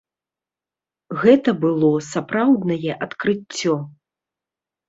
Гэта было сапраўднае адкрыццё.